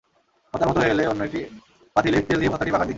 ভর্তার মতো হয়ে এলে অন্য একটি পাতিলে তেল দিয়ে ভর্তাটি বাগার দিন।